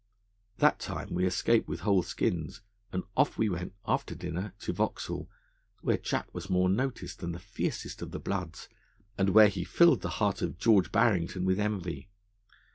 That time we escaped with whole skins; and off we went, after dinner, to Vauxhall, where Jack was more noticed than the fiercest of the bloods, and where he filled the heart of George Barrington with envy.